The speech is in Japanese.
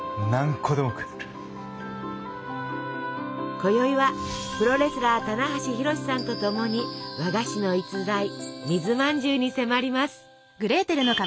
こよいはプロレスラー棚橋弘至さんと共に和菓子の逸材水まんじゅうに迫ります。